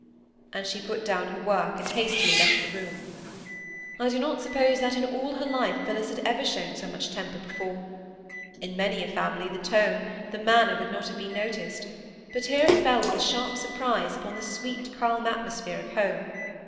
And she put down her work, and hastily left the room. I do not suppose that in all her life Phillis had ever shown so much temper before. In many a family the tone, the manner, would not have been noticed; but here it fell with a sharp surprise upon the sweet, calm atmosphere of home.